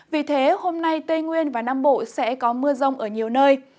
vì thế hôm nay tây nguyên và nam bộ sẽ có mưa rông ở nhiều nơi